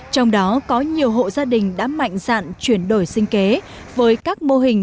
trong đó có nhiều hộ gia đình đã mạnh dạn chuyển đổi sinh kế với các mô hình